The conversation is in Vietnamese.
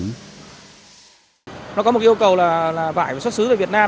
nó có một yêu cầu là vải và xuất xứ về việt nam